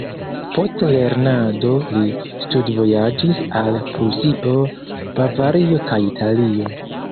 Post lernado li studvojaĝis al Prusio, Bavario kaj Italio.